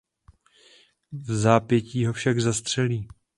Vzápětí ho však zastřelí.